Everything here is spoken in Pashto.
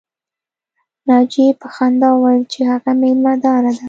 ناجیې په خندا وویل چې هغه مېلمه داره ده